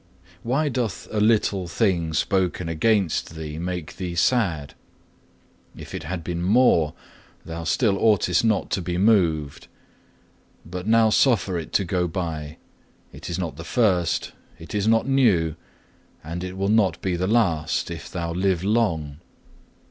Why doth a little thing spoken against thee make thee sad? If it had been more, thou still oughtest not to be moved. But now suffer it to go by; it is not the first, it is not new, and it will not be the last, if thou live long.